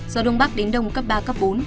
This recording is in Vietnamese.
gió đông bắc đến đông cấp ba cấp bốn